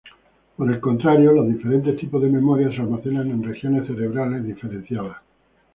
Por el contrario, los diferentes tipos de memoria se almacenan en regiones cerebrales diferenciadas.